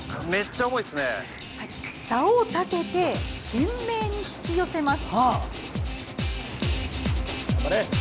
さおを立てて懸命に引き寄せます。